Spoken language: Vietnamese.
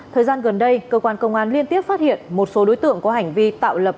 thời gian gần đây cơ quan công an liên tiếp phát hiện một số đối tượng có hành vi tạo lập